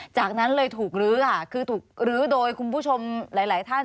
จากนั้นเลยถูกลื้อค่ะคือถูกลื้อโดยคุณผู้ชมหลายท่าน